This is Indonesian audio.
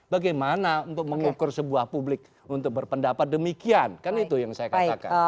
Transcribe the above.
bagaimana untuk mengukur sebuah publik untuk berpendapat demikian kan itu yang saya katakan